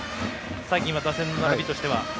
最近、打線の並びとしては。